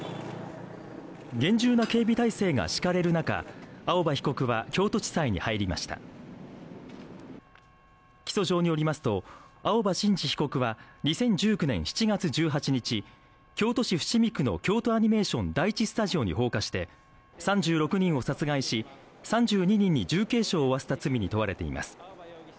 厳重な警備態勢が敷かれる中青葉被告は京都地裁に入りました起訴状によりますと青葉真司被告は２０１９年７月１８日京都市伏見区の京都アニメーション第一スタジオに放火して３６人を殺害し３２人に重軽傷を負わせた罪に問われています